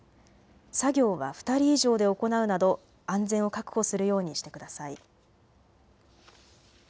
作業は２人以上で行うなど安全を確保するようにしてください。